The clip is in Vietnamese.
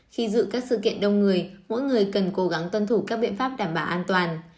khi dự các sự kiện đông người mỗi người cần cố gắng tuân thủ các biện pháp đảm bảo an toàn